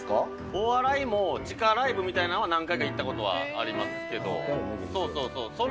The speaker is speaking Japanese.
お笑いも、地下ライブみたいのは何回か行ったことはありますけど、そうそうそう。